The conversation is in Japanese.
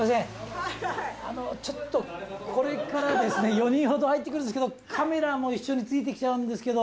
４人ほど入ってくるんですけどカメラも一緒についてきちゃうんですけど。